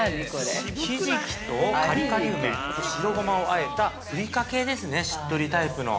ひじきとカリカリ梅、あと白ゴマをあえたふりかけですね、しっとりタイプの。